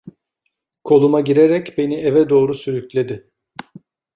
Koluma girerek beni eve doğru sürükledi.